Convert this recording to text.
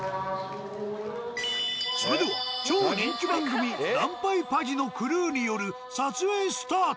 それでは超人気番組「ランパイパギ」のクルーによる撮影スタート。